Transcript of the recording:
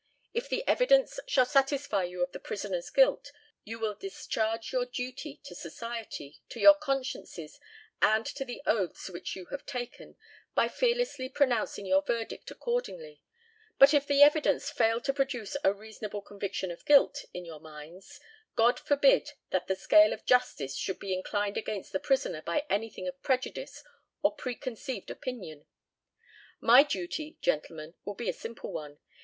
If the evidence shall satisfy you of the prisoner's guilt, you will discharge your duty to society, to your consciences, and to the oaths which you have taken, by fearlessly pronouncing your verdict accordingly; but if the evidence fail to produce a reasonable conviction of guilt in your minds, God forbid that the scale of justice should be inclined against the prisoner by anything of prejudice or preconceived opinion. My duty, gentlemen, will be a simple one.